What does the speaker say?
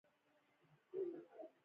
الماري د وریښمو جامو ځای وي